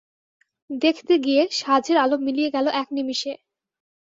দেখতে গিয়ে, সাঁঝের আলো মিলিয়ে গেল এক নিমিষে।